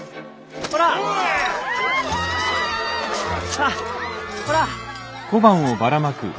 さあほら！